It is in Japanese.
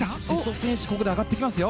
ここで上がってきますよ。